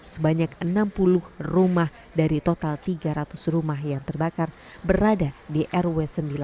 sebanyak enam puluh rumah dari total tiga ratus rumah yang terbakar berada di rw sembilan